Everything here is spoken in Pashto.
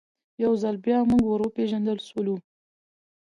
یو ځل بیا موږ ور وپېژندل سولو.